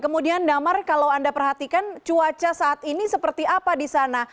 kemudian damar kalau anda perhatikan cuaca saat ini seperti apa di sana